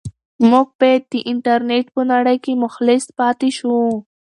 موږ باید د انټرنيټ په نړۍ کې مخلص پاتې شو.